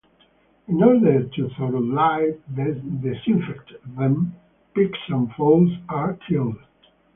In order to thoroughly disinfect them, pigs and fowls are killed.